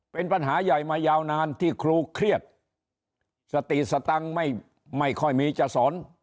เป็นปัญหาใหญ่มายาวนานที่ครูเครียดสติสตังค์ไม่ค่อยมีจะสอน